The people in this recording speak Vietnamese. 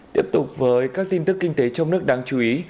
tiếp tục với các tin tức kinh tế trong nước đáng chú ý